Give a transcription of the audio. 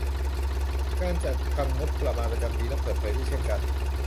การจัดทำงบประมาณประจำปีต้องเปิดเผยด้วยเช่นกัน